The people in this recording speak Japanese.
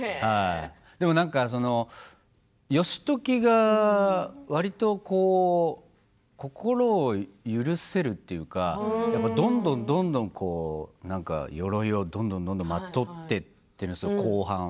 でもなんか、その義時がわりと心を許せるというかどんどんどんどんよろいをどんどんまとっていっているんですけど、後半。